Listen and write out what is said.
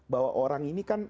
bahwa orang ini kan